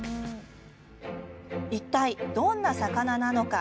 いったいどんな魚なのか？